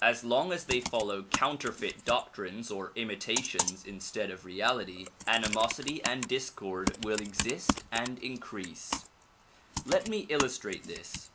As long as they follow counterfeit doctrines or imitations instead of reality, animosity and discord will exist and increase. Let me illustrate this.